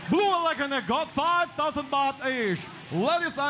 บลูอลักษณ์ที่ได้๕๐๐๐บาทคือ